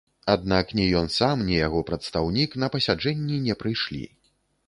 Аднак ні ён сам, ні яго прадстаўнік на пасяджэнні не прыйшлі.